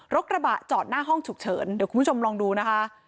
กระบะจอดหน้าห้องฉุกเฉินเดี๋ยวคุณผู้ชมลองดูนะคะ